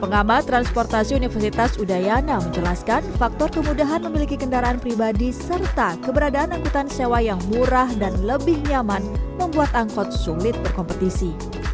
pengamat transportasi universitas udayana menjelaskan faktor kemudahan memiliki kendaraan pribadi serta keberadaan angkutan sewa yang murah dan lebih nyaman membuat angkot sulit berkompetisi